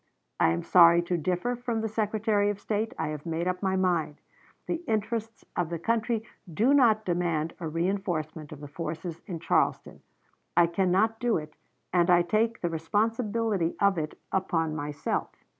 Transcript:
I am sorry to differ from the Secretary of State; I have made up my mind. The interests of the country do not demand a reënforcement of the forces in Charleston. I cannot do it and I take the responsibility of it upon myself.'"